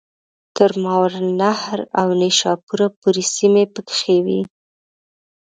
تر ماوراءالنهر او نیشاپور پوري سیمي پکښي وې.